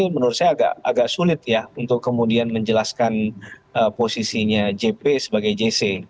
menurut saya agak sulit ya untuk kemudian menjelaskan posisinya jp sebagai jc